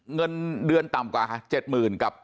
เงินเดือนต่ำกว่า๗๐๐๐กับ